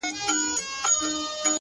ما خو پخوا مـسـته شــاعـــري كول ـ